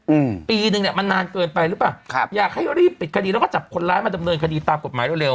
อืมปีหนึ่งเนี้ยมันนานเกินไปหรือเปล่าครับอยากให้รีบปิดคดีแล้วก็จับคนร้ายมาดำเนินคดีตามกฎหมายเร็วเร็